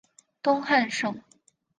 东汉省。